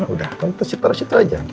udah terus situ situ aja